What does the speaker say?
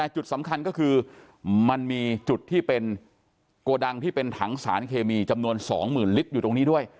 จุดสำคัญก็คือมันมีจุดที่เป็นโกดังที่เป็นถังสารเคมีจำนวน๒๐๐๐ลิตรอยู่ตรงนี้ด้วย